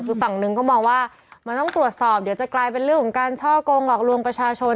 คือฝั่งหนึ่งก็มองว่ามันต้องตรวจสอบเดี๋ยวจะกลายเป็นเรื่องของการช่อกงหลอกลวงประชาชน